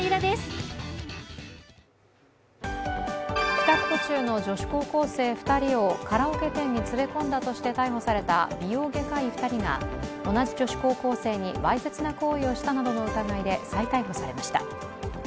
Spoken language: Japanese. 帰宅途中の女子高校生２人をカラオケ店に連れ込んだとして逮捕された美容外科医２人が同じ女子高校生にわいせつな行為をしたなどの疑いで再逮捕されました。